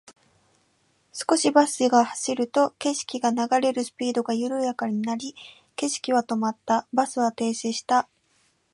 少しバスが走ると、景色が流れるスピードが緩やかになり、景色は止まった。バスは停止した。